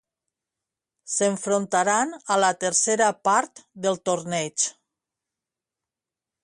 S'enfrontaran a la tercera part del torneig.